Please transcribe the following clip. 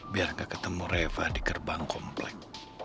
biar gak ketemu reva di gerbang komplek